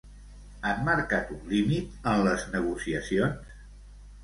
Han marcat un límit en les negociacions?